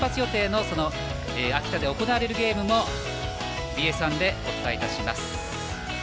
秋田で行われるゲームもＢＳ１でお伝えします。